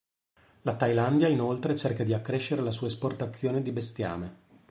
La Thailandia inoltre cerca di accrescere la sua esportazione di bestiame.